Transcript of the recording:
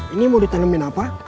ini mau ditanemin apa